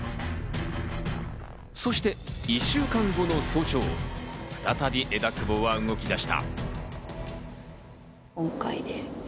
そして１週間後の早朝、再び枝久保は動き出した。